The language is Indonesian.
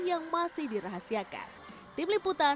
yang membutuhkan beberapa bulan